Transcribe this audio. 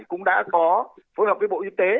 cũng đã có phối hợp với bộ y tế